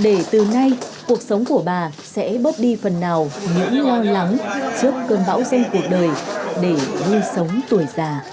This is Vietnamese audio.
để từ nay cuộc sống của bà sẽ bóp đi phần nào những lo lắng trước cơn bão xanh cuộc đời để vui sống tuổi già